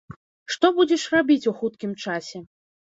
Што будзеш рабіць ў хуткім часе?